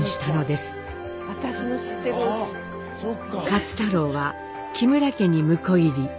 勝太郎は木村家に婿入り。